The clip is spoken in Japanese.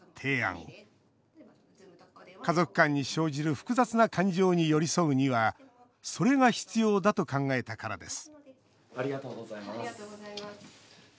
家族間に生じる複雑な感情に寄り添うにはそれが必要だと考えたからです